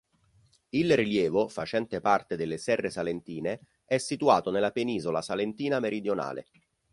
Il rilievo, facente parte delle serre salentine, è situato nella penisola salentina meridionale.